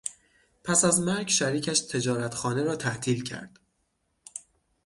پس از مرگ شریکش تجارتخانه را تعطیل کرد.